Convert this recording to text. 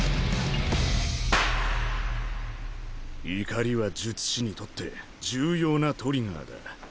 怒りは術師にとって重要な起爆剤だ。